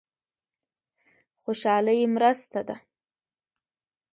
خوشالي مرسته ده.